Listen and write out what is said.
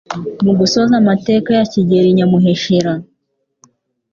Mu gusoza amateka ya Kigeli Nyamuheshera